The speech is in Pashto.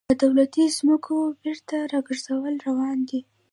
د دولتي ځمکو بیرته راګرځول روان دي